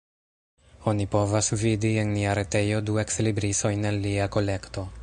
Oni povas vidi en nia retejo du ekslibrisojn el lia kolekto.